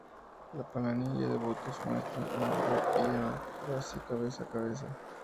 La planilla de votos muestra a Amber y a Tracy cabeza a cabeza.